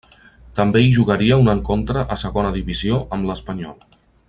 També hi jugaria un encontre a Segona Divisió amb l'Espanyol.